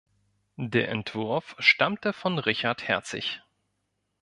Der Entwurf stammte von Richard Herzig.